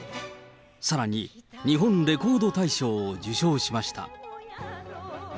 さらに、日本レコード大賞を受賞しました。